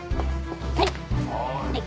はい。